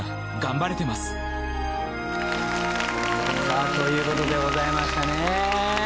「」さあという事でございましたね。